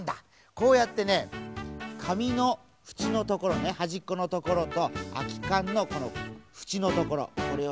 こうやってねかみのふちのところねはじっこのところとあきかんのこのふちのところこれをね